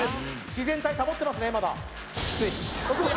自然体保ってますねまだキツイ？